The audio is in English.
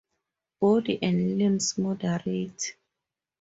Body and limbs moderate.